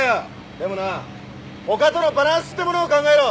でもなほかとのバランスってものを考えろ。